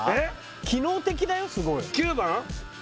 機能的だよすごい９番？